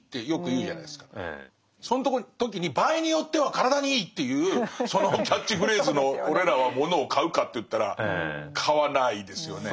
その時に「場合によっては体にいい」っていうそのキャッチフレーズの俺らはものを買うかといったら買わないですよね。